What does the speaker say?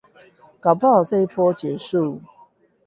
搞不好這一波結束